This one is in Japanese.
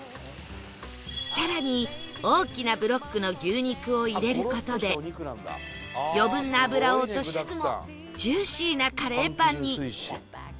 更に大きなブロックの牛肉を入れる事で余分な脂を落としつつもジューシーなカレーパンに